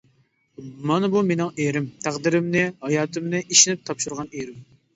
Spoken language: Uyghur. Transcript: مانا بۇ مېنىڭ ئېرىم، تەقدىرىمنى، ھاياتىمنى ئىشىنىپ تاپشۇرغان ئېرىم!